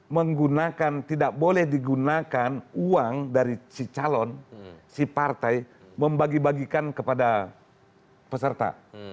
menggunakan tidak boleh digunakan uang dari si calon si partai membagi bagikan kepada peserta